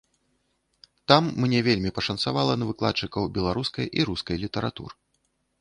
Там мне вельмі пашанцавала на выкладчыкаў беларускай і рускай літаратур.